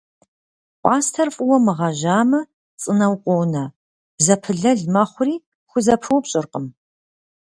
Пӏастэр фӏыуэ мыгъэжьамэ цӏынэу къонэ, зэпылэл мэхъури пхузэпыупщӏыркъым.